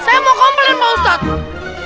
saya mau komplain pak ustadz